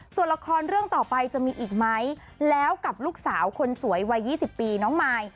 ส่วนละครเรื่องต่อไปจะมีอีกไหมแล้วกับลูกสาวคนสวยวัย๒๐ปีน้องมาย